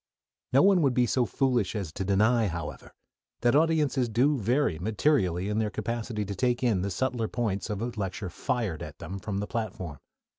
No one would be so foolish as to deny, however, that audiences do vary materially in their capacity to take in the subtler points of a lecture "fired" at them from the platform.